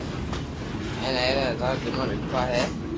ھين آئري ۾ ھزار جملا ليکوا ھي